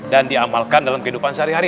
dan diamalkan dalam kehidupan sehari hari